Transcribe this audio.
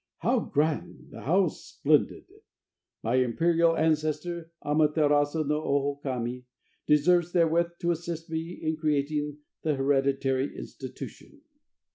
How grand! How splendid! My imperial ancestor Ama terasu no Oho Kami, desires therewith to assist me in creating the hereditary institution."